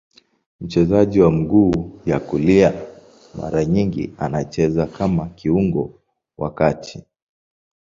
Mchezaji wa mguu ya kulia, mara nyingi anacheza kama kiungo wa kati.